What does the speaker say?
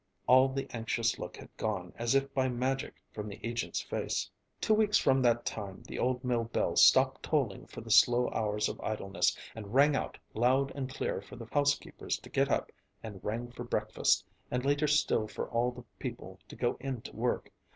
All the anxious look had gone as if by magic from the agent's face. Two weeks from that time the old mill bell stopped tolling for the slow hours of idleness and rang out loud and clear for the housekeepers to get up, and rang for breakfast, and later still for all the people to go in to work.